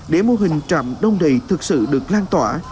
để mô hình trạm đông đầy thực sự được lan tỏa